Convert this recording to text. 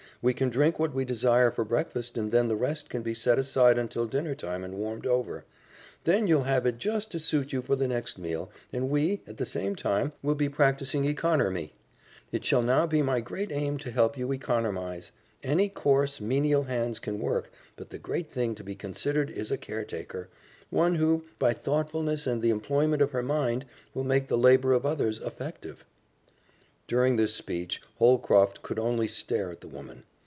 We can drink what we desire for breakfast and then the rest can be set aside until dinner time and warmed over. Then you'll have it just to suit you for the next meal, and we, at the same time, will be practicing econermy. It shall now be my great aim to help you econermize. Any coarse, menial hands can work, but the great thing to be considered is a caretaker; one who, by thoughtfulness and the employment of her mind, will make the labor of others affective." During this speech, Holcroft could only stare at the woman.